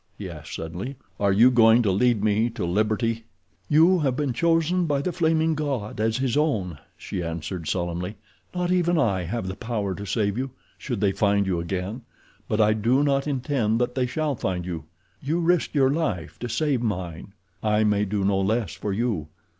he asked suddenly. "Are you going to lead me to liberty?" "You have been chosen by The Flaming God as his own," she answered solemnly. "Not even I have the power to save you—should they find you again. But I do not intend that they shall find you. You risked your life to save mine. I may do no less for you.